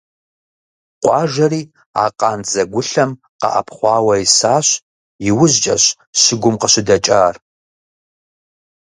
Къуажэри а къандзэгулъэм къэӀэпхъуауэ исащ, иужькӀэщ щыгум къыщыдэкӀар.